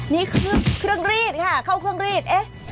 นี่คือเครื่องรีดค่ะเข้าเครื่องรีด